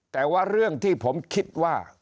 แต่ว่าเรื่องที่ผมคิดว่า